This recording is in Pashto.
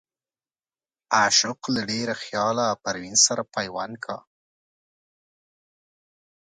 عاشق له ډېره خياله پروين سره پيوند کا